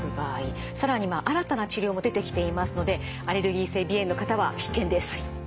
更には新たな治療も出てきていますのでアレルギー性鼻炎の方は必見です。